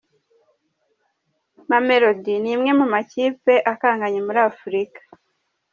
Mamelodi ni imwe mu makipe akanganye muri Afurika.